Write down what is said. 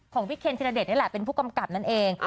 ของพี่เคนธิรเดชนี่แหละเป็นผู้กำกับนั่นเอง